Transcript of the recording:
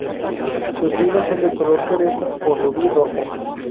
Sus vinos son de color cereza o rubí rojo.